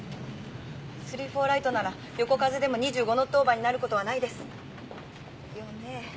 ３４Ｒなら横風でも２５ノットオーバーになることはないですよね？